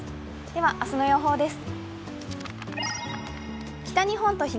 では、明日の予報です。